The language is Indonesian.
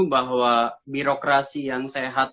bahwa birokrasi yang sehat